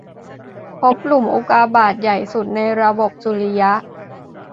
พบหลุมอุกกาบาตใหญ่สุดในระบบสุริยะ